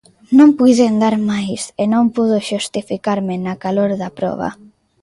Non puiden dar máis e non podo xustificarme na calor da proba.